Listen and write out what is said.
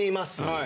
はい。